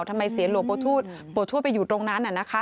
ทำไมเสียงหลวงปู่ทวดปู่ทวดไปอยู่ตรงนั้น